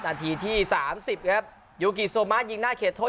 นาทีที่๓๐ครับยูกิโซมะยิงหน้าเขตโทษ